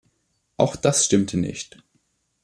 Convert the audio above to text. Auch das stimmte nicht.